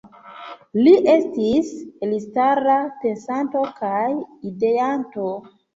Li estis elstara pensanto kaj ideanto.